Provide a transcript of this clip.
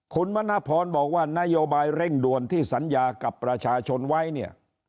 คุณมณพรบอกว่านโยบายเร่งด่วนที่สัญญากับประชาชนไว้เนี่ย